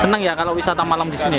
seneng ya kalau wisata malam di sini ya